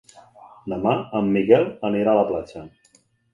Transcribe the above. Demà en Miquel anirà a la platja.